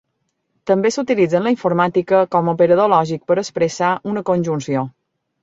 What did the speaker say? També s'utilitza en la informàtica com a operador lògic per a expressar una conjunció.